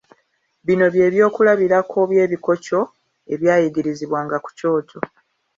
Bino by'ebyokulabirako by'ebikokyo ebyayigirizibwanga ku kyoto.